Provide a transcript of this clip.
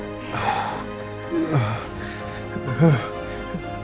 sayang jangan gitu dong